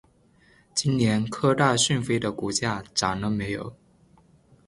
今年科大讯飞的股价涨了没有？